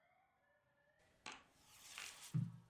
Singlimsan, qaylig’im, qizimsan, dildor.